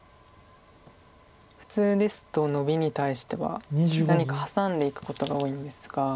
普通ですとノビに対しては何かハサんでいくことが多いんですが。